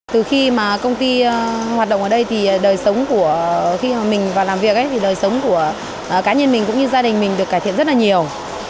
từ khi mà công ty hoạt động ở đây thì đời sống của khi mình vào làm việc thì đời sống của cá nhân mình cũng như gia đình mình được cải thiện rất là nhiều